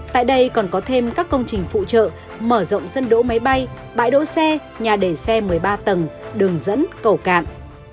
tại đây còn có thêm các công trình phụ trợ mở rộng sân đỗ máy bay bãi đỗ xe nhà đẩy xe một mươi ba tầng đường dẫn cầu cạn